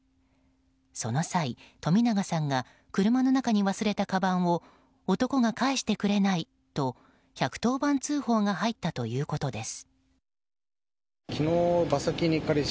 その際、冨永さんが車の中に忘れたかばんを男が返してくれないと１１０番通報が入ったということです。